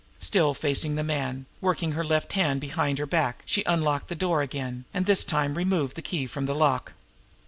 Still facing the man, working with her left hand behind her back, she unlocked the door again, and this time removed the key from the lock.